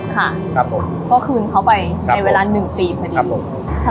ค่ะครับผมก็คืนเขาไปในเวลาหนึ่งปีพอดีครับผม